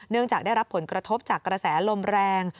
จากได้รับผลกระทบจากกระแสลมแรง